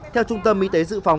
theo trung tâm y tế dự phòng